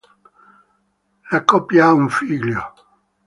La coppia ha un figlio.